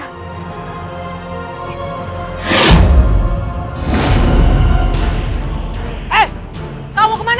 eh kau mau kemana